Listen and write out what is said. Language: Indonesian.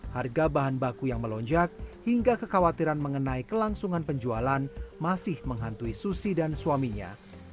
harga bahan baku yang melonjak hingga kekhawatiran mengenai kelangsungan penjualan masih menghantui susi dan suaminya